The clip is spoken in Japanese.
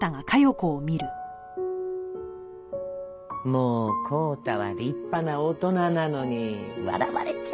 もう康太は立派な大人なのに笑われちゃうよねえ。